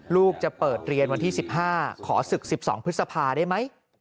ลูกจะเปิดเรียนวันที่๑๕ขอศึก๑๒พฤษภาได้ไหม